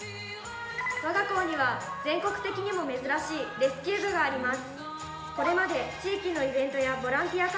我が校には全国的にも珍しいレスキュー部があります。